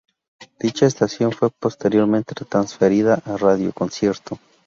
Dicha estación fue posteriormente transferida a Radio Concierto.